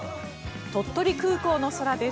鳥取空港の空です。